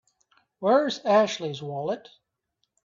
Where's Ashley's wallet?